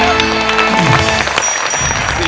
ได้โปรด